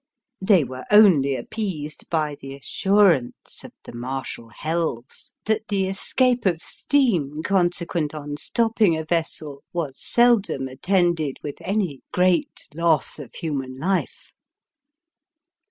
They were only appeased by the assurance of the martial Helves, that the escape of steam consequent on stopping a vessel was seldom attended with any great loss of human life.